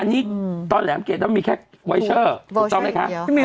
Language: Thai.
อันนี้ตอนแหลมเกรดแล้วมีแค่ไวเชอร์ถูกต้องไหมคะ